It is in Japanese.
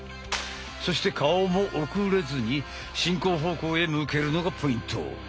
そして顔も遅れずに進行方向へ向けるのがポイント。